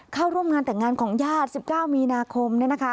เข้าร่วมงานแต่งงานของญาติ๑๙มีนาคม